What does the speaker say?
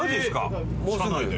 車内で？